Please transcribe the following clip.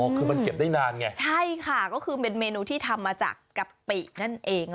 คือมันเก็บได้นานไงใช่ค่ะก็คือเป็นเมนูที่ทำมาจากกะปินั่นเอง